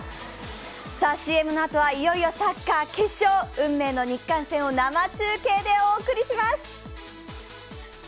ＣＭのあとはいよいよサッカー決勝、運命の日韓戦を生中継でお伝えします。